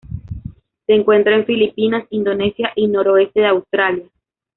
Se encuentra en Filipinas, Indonesia y noroeste de Australia.